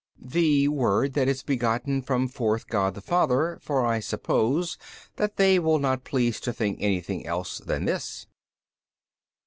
B. The Word that is begotten from forth God the Father, for I suppose that they will not please to think anything else than this.